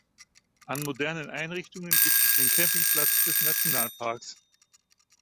An modernen Einrichtungen gibt es den Campingplatz des Nationalparks.